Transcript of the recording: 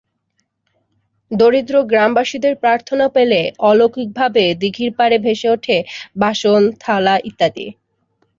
দরিদ্র গ্রামবাসীদের প্রার্থনা পেলে অলৌকিকভাবে দিঘির পাড়ে ভেসে ওঠে বাসন, থালা ইত্যাদি।